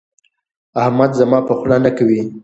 احمد زما په خوله نه کوي.